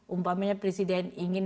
umpamanya presiden ingin